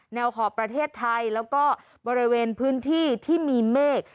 ขอบประเทศไทยแล้วก็บริเวณพื้นที่ที่มีเมฆ